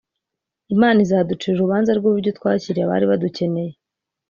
Imana izaducira urubanza rw’uburyo twakiriye abari badukeneye